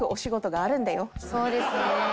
そうですね。